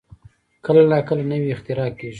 کله نا کله نوې اختراع کېږي.